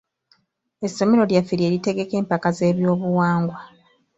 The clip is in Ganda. Essomero lyaffe lye litegeka empaka z'ebyobuwangwa.